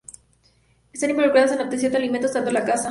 Están involucradas en la obtención de alimentos, tanto en la caza.